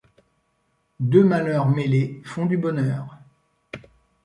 Deux malheurs mêlés font du bonheur